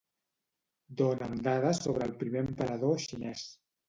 Dona'm dades sobre el primer emperador xinès.